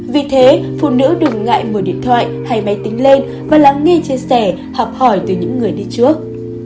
vì thế phụ nữ đừng ngại mở điện thoại hay máy tính lên và lắng nghe chia sẻ học hỏi từ những người đi trước